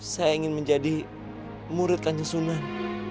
saya ingin menjadi murid tanju sunan